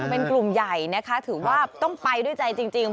เป็นกลุ่มใหญ่นะคะถือว่าต้องไปด้วยใจจริง